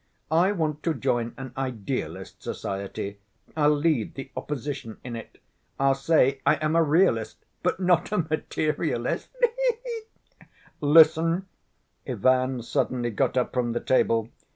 I want to join an idealist society, I'll lead the opposition in it, I'll say I am a realist, but not a materialist, he he!" "Listen," Ivan suddenly got up from the table.